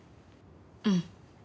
うん。